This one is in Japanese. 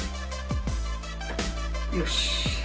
よし！